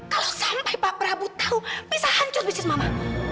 kalau sampai pak prabu tahu bisa hancur bisnis mama